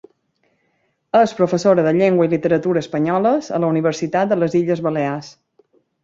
És professora de llengua i literatura espanyoles a la Universitat de les Illes Balears.